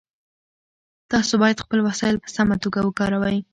تاسو باید خپل وسایل په سمه توګه وکاروئ.